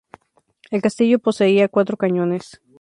El castillo poseía cuatro cañones.